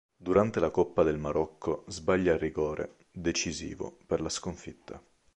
Durante la Coppa del Marocco, sbaglia il rigore, decisivo per la sconfitta.